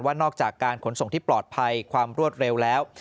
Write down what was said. นอกจากการขนส่งที่ปลอดภัยความรวดเร็วแล้ว